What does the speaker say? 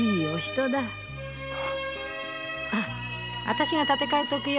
私が立て替えておくよ。